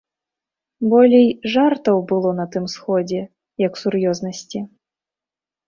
Болей жартаў было на тым сходзе, як сур'ёзнасці.